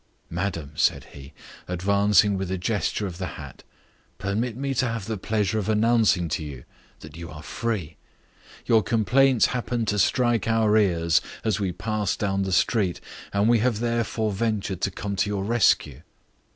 "Madam," said he, advancing with a gesture of the hat, "permit me to have the pleasure of announcing to you that you are free. Your complaints happened to strike our ears as we passed down the street, and we have therefore ventured to come to your rescue."